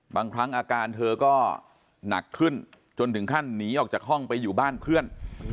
บางครั้งอาการเธอก็หนักขึ้นจนถึงขั้นหนีออกจากห้องไปอยู่บ้านเพื่อน